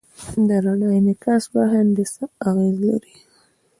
د رڼا انعکاس په هندسه اغېز لري.